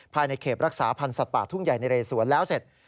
ภายในเขตรักษาพันธ์สัตว์ป่าทุ่งใหญ่นะเรสวนแล้วเสร็จ